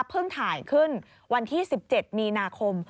ถ่ายขึ้นวันที่๑๗มีนาคม